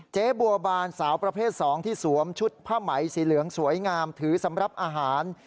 เจ๊บัวบานสาวประเภท๒ที่สวมชุดผ้าไหมสีเหลืองสวยงามถือสำหรับอาหาร